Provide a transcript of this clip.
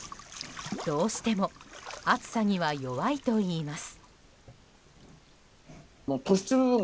どうしても暑さには弱いといいます。